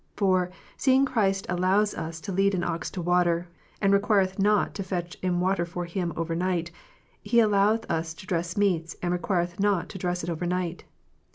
For, seeing Christ allows us to lead an ox to water, and requireth not to fetch in water for him over night, He alloweth us to dress meats, and requireth not to dress it over night.